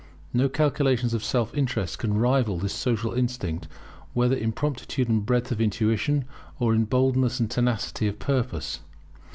No calculations of self interest can rival this social instinct, whether in promptitude and breadth of intuition, or in boldness and tenacity of purpose.